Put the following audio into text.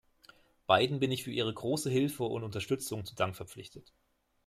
Beiden bin ich für ihre große Hilfe und Unterstützung zu Dank verpflichtet.